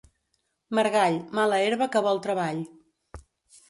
Margall, mala herba que vol treball.